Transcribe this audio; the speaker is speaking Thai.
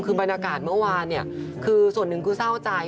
คือบรรยากาศเมื่อวานคือส่วนหนึ่งคือเศร้าใจ